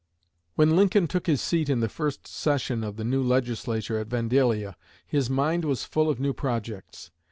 When Lincoln took his seat in the first session of the new Legislature at Vandalia, his mind was full of new projects.